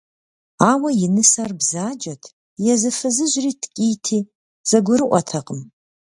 Ауэ и нысэр бзаджэт, езы фызыжьри ткӏийти зэгурыӏуэтэкъым.